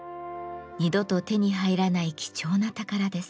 二度と手に入らない貴重な宝です。